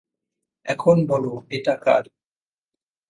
এখন বলো এটা কার?